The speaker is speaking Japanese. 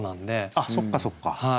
あっそっかそっか。